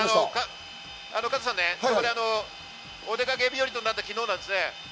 加藤さんね、お出かけ日和となった昨日。